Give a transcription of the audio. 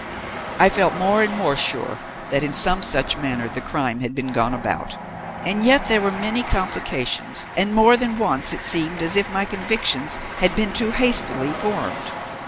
"I felt more and more sure that in some such manner the crime had been gone about; and yet there were many complications, and more than once it seemed as if my convictions had been too hastily formed.